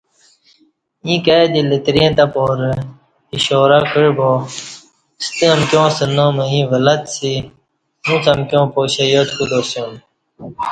ییں کائ دی لترے تہ پارہ اشارہ کعبا ستہ امکیاں ستہ نام ایں ولہ څی اُݩڅ امکیاں پاشہ یاد کوتاسیوم